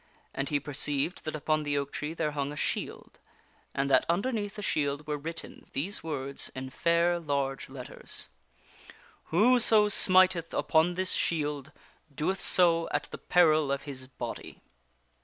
And he per ceived that upon the oak tree there hung a shield, and that underneath the shield were written these words in fair large letters :" l&batfa amift tb upon tine; fibtclU )oet& 00 at t&e peril of (i* fcotop."